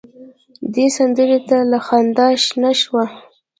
دې سندره ته له خندا شنه شوه.